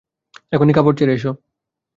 এখনই কাপড় ছেড়ে এসো।